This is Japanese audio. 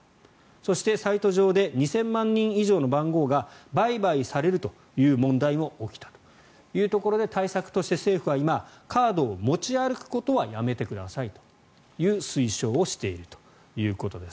そして、サイト上で２０００万人以上の番号が売買されるという問題も起きたというところで対策として政府は今カードを持ち歩くことはやめてくださいと推奨をしているということです。